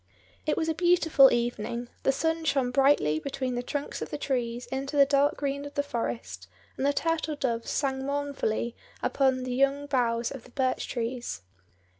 It was a beautiful evening; the sun shone brightly between the trunks of the trees into the dark green of the forest, and the turtle doves sang mournfully upon the young boughs of the birch trees.